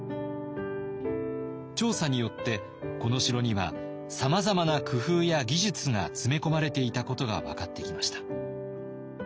調査によってこの城にはさまざまな工夫や技術が詰め込まれていたことが分かってきました。